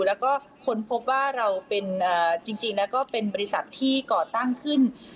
แล้วก็ค้นพบว่าเราเป็นจริงแล้วก็เป็นบริษัทที่ก่อตั้งขึ้น